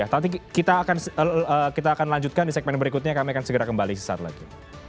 nanti kita akan lanjutkan di segmen berikutnya kami akan segera kembali sesaat lagi